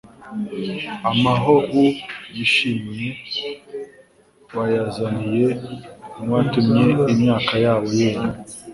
amahu-o y'ishimwe bayazaniye nwatumye imyaka yabo yera.